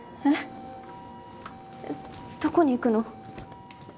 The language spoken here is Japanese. えっどこに行くの？